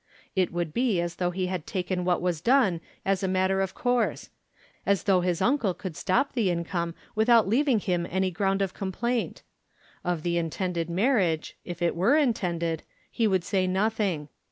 It would be as though he had taken what was done as a matter of course, as though his uncle could stop the income without leaving him any ground of complaint. Of the intended marriage, if it were intended, he would say nothing.